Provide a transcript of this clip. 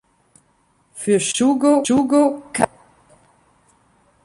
Für "Shugo Chara!